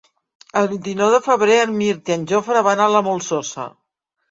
El vint-i-nou de febrer en Mirt i en Jofre van a la Molsosa.